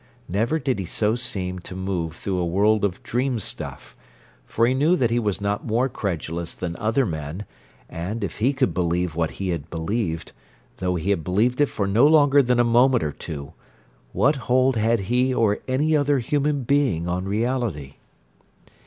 Never did he so seem to move through a world of dream stuff: for he knew that he was not more credulous than other men, and, if he could believe what he had believed, though he had believed it for no longer than a moment or two, what hold had he or any other human being on reality?